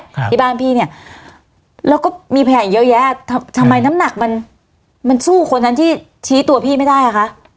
ที่บ้านพี่เนี้ยแล้วก็มีพยานอีกเยอะแยะทำไมน้ำหนักมันมันสู้คนนั้นที่ชี้ตัวพี่ไม่ได้อ่ะคะ